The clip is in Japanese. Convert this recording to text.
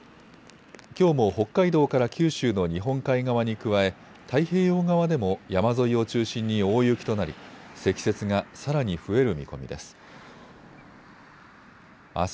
きょうも北海道から九州の日本海側に加え太平洋側でも山沿いを中心に大雪となり積雪がさらに増える見込みです。